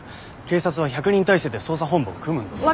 警察は１００人態勢で捜査本部を組むんだぞ。